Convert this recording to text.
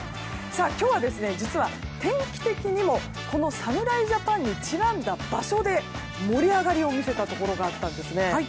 今日は、実は天気的にもこの侍ジャパンにちなんだ場所で盛り上がりを見せたところがあったんです。